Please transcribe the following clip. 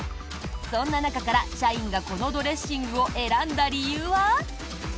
そんな中から社員がこのドレッシングを選んだ理由は？